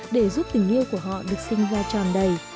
để giúp tình yêu của họ được sinh ra tràn đầy